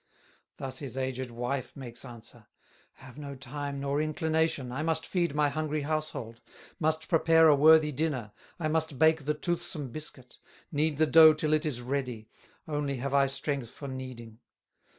Thus his aged wife makes answer: "Have no time, nor inclination, I must feed my hungry household, Must prepare a worthy dinner, I must bake the toothsome biscuit, Knead the dough till it is ready, Only have I strength for kneading."